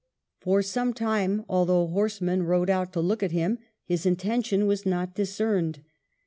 For some time, although horsemen rode out to look at him, his intention was not discerned.